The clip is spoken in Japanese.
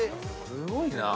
◆すごいな。